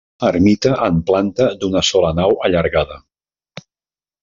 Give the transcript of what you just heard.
Ermita en planta d'una sola nau allargada.